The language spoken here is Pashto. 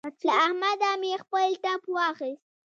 له احمده مې خپل ټپ واخيست.